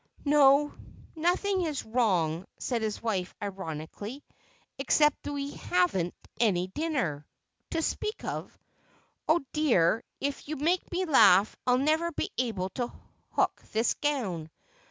"No; nothing is wrong," said his wife ironically, "except that we haven't any dinner—to speak of. Oh, dear, if you make me laugh I'll never be able to hook this gown.